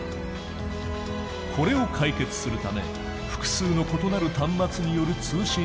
これを解決するため複数の異なる端末による通信システム